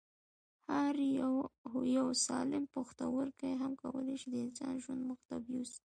هو یو سالم پښتورګی هم کولای شي د انسان ژوند مخ ته یوسي